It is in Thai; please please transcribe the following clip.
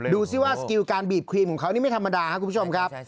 ดูสิว่าสกิลการบีบครีมของเขานี่ไม่ธรรมดาครับคุณผู้ชมครับ